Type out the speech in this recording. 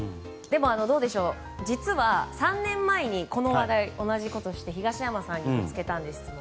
でも、実は３年前にもこの話題同じことをして東山さんに質問ぶつけたんです。